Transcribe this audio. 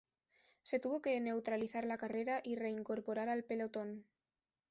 Se tuvo que neutralizar la carrera y reincorporar al pelotón.